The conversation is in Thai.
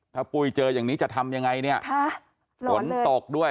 ถ้าปุ้ยเจออย่างนี้จะทำยังไงเนี่ยฝนตกด้วย